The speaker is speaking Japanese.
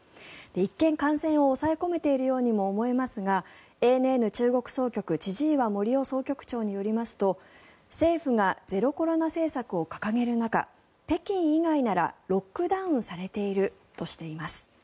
一見、感染を抑え込めているようにも思えますがＡＮＮ中国総局千々岩森生総局長によりますと政府がゼロコロナ政策を掲げる中北京以外ならロックダウンされているとしています。